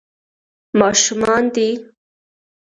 ماشومان دي.